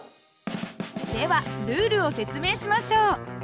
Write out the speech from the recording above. ではルールを説明しましょう。